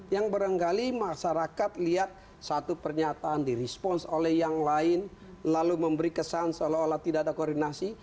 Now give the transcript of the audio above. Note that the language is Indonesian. yang barangkali masyarakat lihat satu pernyataan di respons oleh yang lain lalu memberi kesan seolah olah tidak ada koordinasi